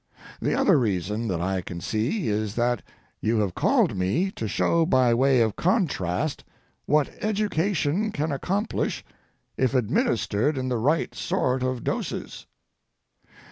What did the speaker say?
The other reason that I can see is that you have called me to show by way of contrast what education can accomplish if administered in the right sort of doses.